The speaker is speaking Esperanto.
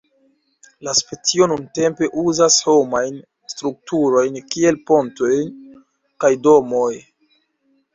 La specio nuntempe uzas homajn strukturojn kiel pontoj kaj domoj.